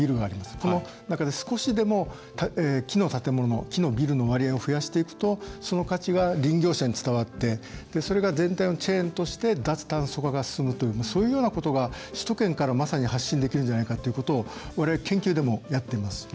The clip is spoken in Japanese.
その中で、少しでも木の建物、木のビルの割合を増やしていくとその価値が林業者に伝わってそれが全体のチェーンとして脱炭素化が進むというそういうようなことが首都圏からまさに発信できるのではないかというのを、われわれ研究でもやっています。